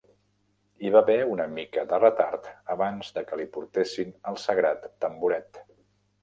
Hi va haver una mica de retard abans de que li portessin el sagrat tamboret.